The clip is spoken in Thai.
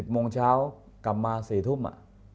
โมงเช้ากลับมา๔ทุ่ม